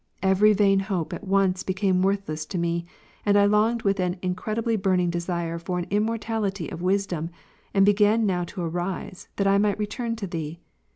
"Every vain hope at once became worthless to me ; and I .longed with an incredibly burning desire for an immortality of wisdom, and began now to arise, that I might return to Thee.